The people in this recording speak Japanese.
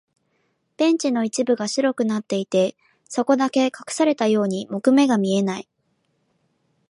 ベンチの一部が白くなっていて、そこだけ隠されたように木目が見えない。